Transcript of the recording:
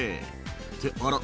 「ってあら？